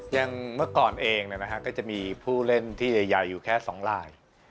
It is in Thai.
อย่างเมื่อก่อนเองก็จะมีผู้เล่นที่ใหญ่อยู่แค่๒ลาย